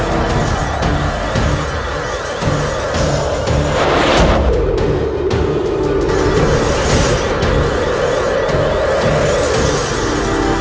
siang ternyata kedua orang ini lumayan sah